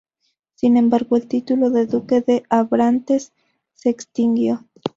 Sin embargo, el título de duque de Abrantes se extinguió.